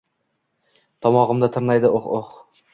Tomogʼimni tirnaydi uh-hhh